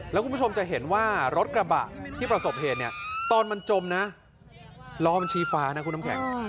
แล้วคุณผู้ชมจะเห็นว่ารถกระบะที่ประสบเหตุเนี่ยตอนมันจมนะล้อมันชี้ฟ้านะคุณน้ำแข็ง